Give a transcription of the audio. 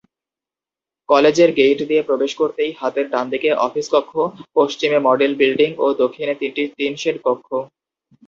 কলেজের গেইট দিয়ে প্রবেশ করতেই হাতের ডানদিকে অফিস কক্ষ, পশ্চিমে মডেল বিল্ডিং ও দক্ষিণে তিনটি টিনশেড কক্ষ।